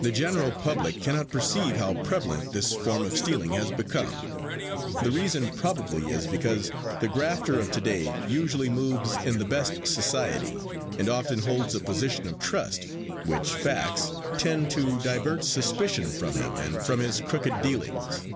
The general public cannot perceive how prevalent this form of stealing has become. The reason probably is because the grafter of today usually moves in the best society and often holds a position of trust, which facts tend to divert suspicion from him and from his crooked dealings.